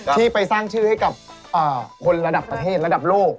ที่ไปสร้างชื่อให้กับคนระดับประเทศระดับโลก